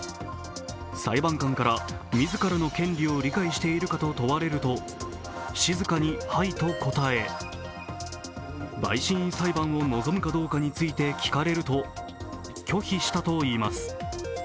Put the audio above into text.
裁判官から自らの権利を理解しているかと問われると静かに、はいと答え、陪審員裁判を望むかどうかについて聞かれると拒否したと言います。